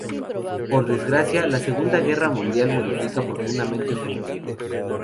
Por desgracia, la Segunda Guerra Mundial modifica profundamente sus proyectos.